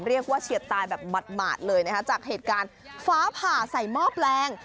เรียกว่าเฉียดตายแบบหมัดเลยนะคะจากเหตุการณ์ฟ้าผ่าใส่มอบแรง